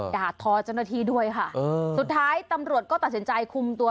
ด่าทอเจ้าหน้าที่ด้วยค่ะสุดท้ายตำรวจก็ตัดสินใจคุมตัว